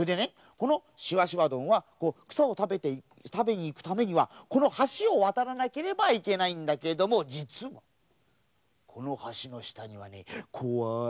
このしわしわどんはくさをたべにいくためにはこのはしをわたらなければいけないんだけどもじつはこのはしのしたにはねこわいこわい